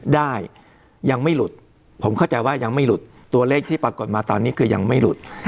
ได้ยังไม่หลุดผมเข้าใจว่ายังไม่หลุดตัวเลขที่ปรากฏมาตอนนี้คือยังไม่หลุด